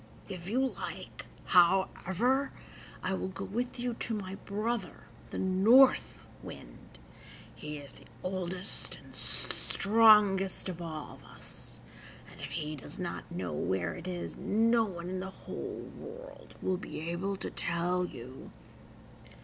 If you like, however, I will go with you to my brother, the North Wind; he is the oldest and strongest of all of us, and if he does not know where it is no one in the whole world will be able to tell you.